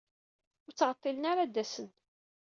Ur ttɛeḍḍilen ara ad d-asen.